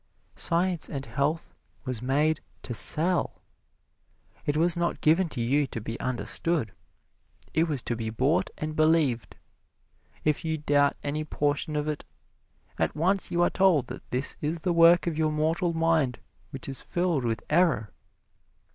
"Science and Health" was made to sell. It was not given to you to be understood: it was to be bought and believed. If you doubt any portion of it, at once you are told that this is the work of your mortal mind, which is filled with error.